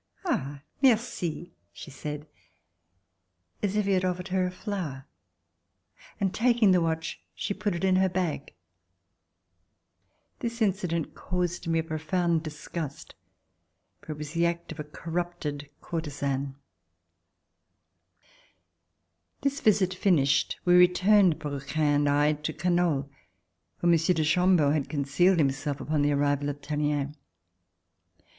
"Ah! merci!" she said, as if he had offered her a flower, and taking the watch she put it in her bag. C169] RECOLLECTIONS OF THE REVOLUTION This incident caused me a profound disgust, for it was the act of a corrupted courtisane. This visit finished, we returned, Brouquens and I, to Canoles, for Monsieur de Chambeau had concealed himself upon the arrival of Tallien.